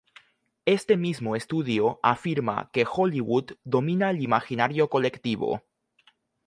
Este mismo estudio afirma que Hollywood domina el imaginario colectivo.